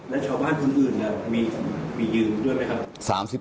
และชาวบ้านคนอื่นมียืนด้วยไหมครับ